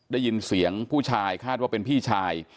ได้ยินเสียงผู้ชายคาดว่าเป็นพี่ชาย